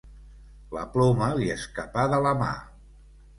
La ploma li escapà de la mà.